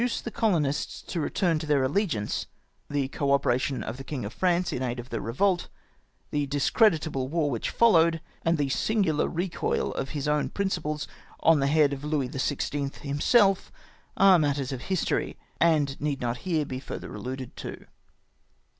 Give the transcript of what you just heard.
diice the colonists to return to their allegiance — the co operation of the King of France in aid of the revolt — the discreditable war which followed — and the singular recoil of his own principles on the head of Louis XVI. liimself, are matters of history and need not here be fiuther aUuded to.